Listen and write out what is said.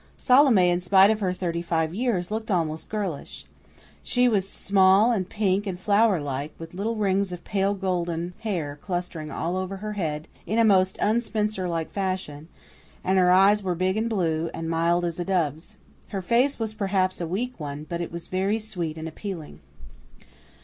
Salome, in spite of her thirty five years, looked almost girlish. She was small and pink and flower like, with little rings of pale golden hair clustering all over her head in a most unspinster like fashion, and her eyes were big and blue, and mild as a dove's. Her face was perhaps a weak one, but it was very sweet and appealing.